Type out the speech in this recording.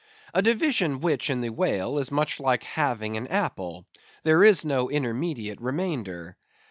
A division which, in the whale, is much like halving an apple; there is no intermediate remainder.